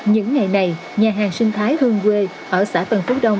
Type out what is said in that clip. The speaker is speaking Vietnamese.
những ngày này nhà hàng sinh thái hương quê ở xã tân phú đông